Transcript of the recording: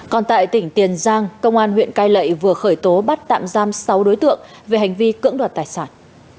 còn tại tỉnh tiền giang công an huyện cai lệ vừa khởi tố bắt tạm giam sáu đối tượng về hành vi cưỡng đoạt tài sản